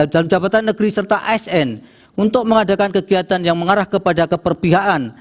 dalam jabatan negeri serta asn untuk mengadakan kegiatan yang mengarah kepada keperpihakan